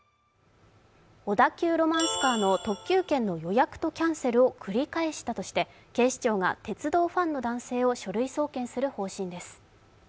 小田急ロマンスカーの特急券の予約とキャンセルを繰り返したとして警視庁が鉄道ファンの男性を書類送検する方針です。